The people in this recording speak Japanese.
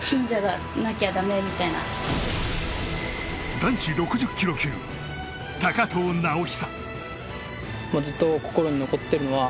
男子６０ｋｇ級高藤直寿。